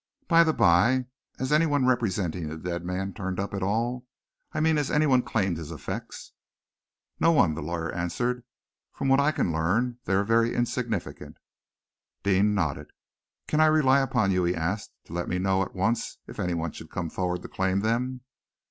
By the bye, has anyone representing the dead man turned up at all I mean has anyone claimed his effects?" "No one," the lawyer answered. "From what I can learn they are very insignificant." Deane nodded. "Can I rely upon you," he asked, "to let me know at once if anyone should come forward to claim them?"